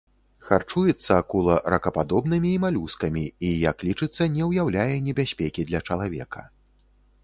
Харчуецца акула ракападобнымі і малюскамі і як лічыцца не ўяўляе небяспекі для чалавека.